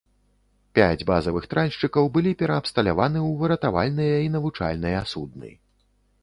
Пяць базавых тральшчыкаў былі пераабсталяваны ў выратавальныя і навучальныя судны.